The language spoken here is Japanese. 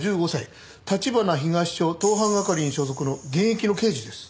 立花東署盗犯係に所属の現役の刑事です。